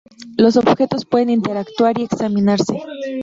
Los objetos pueden interactuar y examinarse.